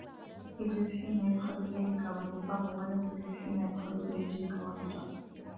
اجلس حيث يُؤْخَذُ بيدك وَتُبَرُّ ولا تجلس حيث يؤخذ برجلك وتُجَرُّ